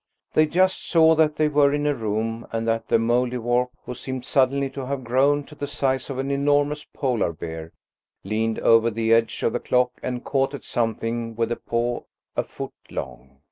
They just saw that they were in a room, and that the Mouldiwarp, who seemed suddenly to have grown to the size of an enormous Polar bear, leaned over the edge of the clock and caught at something with a paw a foot long.